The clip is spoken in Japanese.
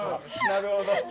なるほど。